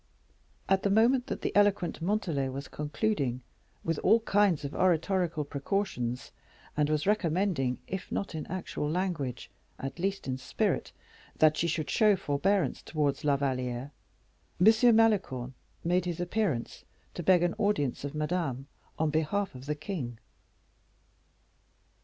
At the moment that the eloquent Montalais was concluding, with all kinds of oratorical precautions, and was recommending, if not in actual language, at least in spirit, that she should show forbearance towards La Valliere, M. Malicorne made his appearance to beg an audience of Madame, on behalf of the king.